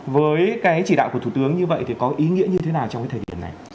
với cái chỉ đạo của thủ tướng như vậy thì có ý nghĩa như thế nào trong cái thời điểm này